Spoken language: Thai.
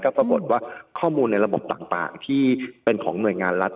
ปรากฏว่าข้อมูลในระบบต่างที่เป็นของหน่วยงานรัฐ